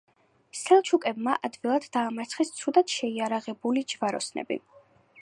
სელჩუკებმა ადვილად დაამარცხეს ცუდად შეიარაღებული ჯვაროსნები.